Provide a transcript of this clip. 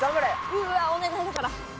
うわっお願いだから。